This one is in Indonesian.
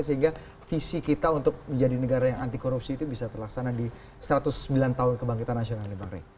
sehingga visi kita untuk menjadi negara yang anti korupsi itu bisa terlaksana di satu ratus sembilan tahun kebangkitan nasional ini bang rey